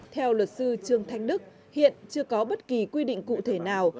theo luật sư trương thanh đức hiện chưa có bất kỳ quy định cụ thể nào